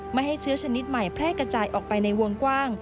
ไม่ให้เชื้อชนิดใหม่แพร่กระจายออกไปในวงกว้าง